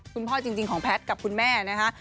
จริงของแพทย์กับคุณแม่นะคะ